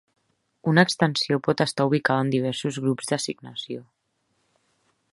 Una extensió pot estar ubicada en diversos grups d'assignació.